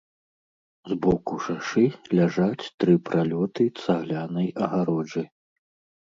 З боку шашы ляжаць тры пралёты цаглянай агароджы.